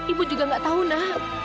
ibu juga gak tahu na